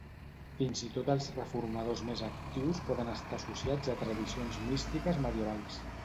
Fins i tot els reformadors més actius poden estar associats a tradicions místiques medievals.